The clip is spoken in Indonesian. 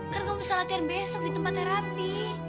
kan kamu bisa latihan besok di tempat terapi